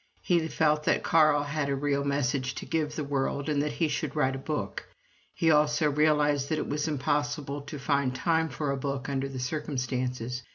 He felt that Carl had a real message to give the world, and that he should write a book. He also realized that it was impossible to find time for a book under the circumstances.